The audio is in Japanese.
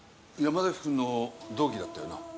山崎君の同期だったよな？